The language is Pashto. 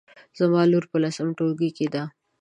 زما لور په لسم ټولګي کې ده